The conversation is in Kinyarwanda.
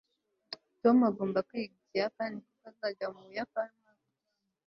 tom agomba kwiga ikiyapani kuko azajya mu buyapani umwaka utaha